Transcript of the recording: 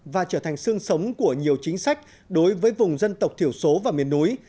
và trở thành sương sống của nhiều chính sách đối với vùng dân tộc thiểu số và miền núi